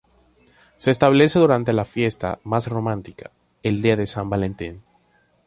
Se establece durante la fiesta más romántica, el Día de San Valentín.